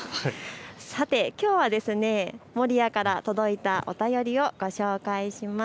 さて、きょうは守谷から届いたお便りをご紹介します。